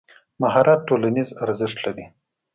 مهارت ټولنیز ارزښت لري.